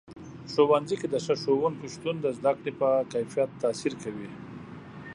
ښوونځي کې د ښه ښوونکو شتون د زده کړې په کیفیت تاثیر کوي.